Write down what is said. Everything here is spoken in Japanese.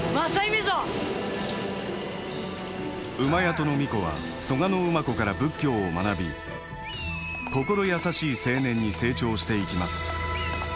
戸皇子は蘇我馬子から仏教を学び心優しい青年に成長していきます。